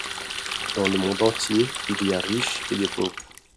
Dans le monde entier il y a riches et des pauvres.